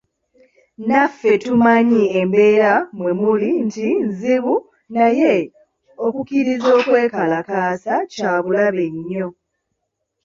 Naffe tumanyi embeera mwemuli nti nzibu naye okukkiriza okwekalakaasa kyabulabe nnyo.